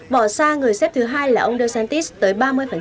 bỏ xa người xếp thứ hai là ông deusantis tới ba mươi